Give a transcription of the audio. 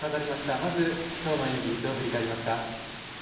まず、きょうの演技どう振り返りますか？